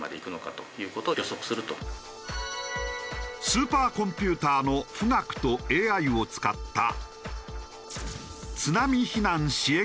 スーパーコンピューターの「富岳」とＡＩを使った。